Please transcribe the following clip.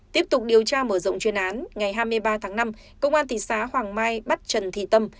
tiếp tục điều tra mở rộng chuyên án ngày hai mươi ba tháng năm công an thị xã hoàng mai bắt trần thị tâm